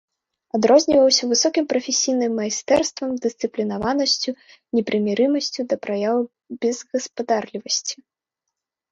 Адрозніваўся высокім прафесійным майстэрствам, дысцыплінаванасцю, непрымірымасцю да праяў безгаспадарлівасці.